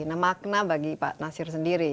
nah makna bagi pak nasir sendiri